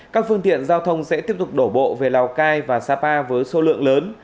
các phương tiện giao thông sẽ tiếp tục đổ bộ về lào cai và sapa với số lượng lớn